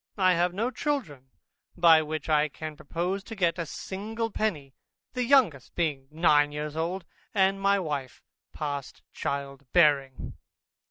I have no children, by which I can propose to get a single penny; the youngest being nine years old, and my wife past child bearing.